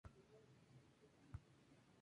Así se eliminaban cuatro partidos del calendario.